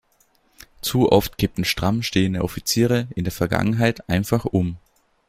Zu oft kippten stramm stehende Offiziere in der Vergangenheit einfach um.